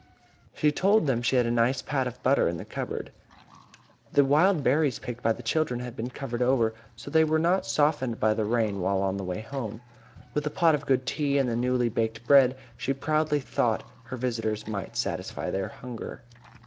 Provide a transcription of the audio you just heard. She told them she had a nice pat of butter in the cupboard. The wild berries picked by the children had been covered over, so they were not softened by the rain while on the way home. With a pot of good tea and the newly baked bread, she proudly thought her visitors might satisfy their hunger.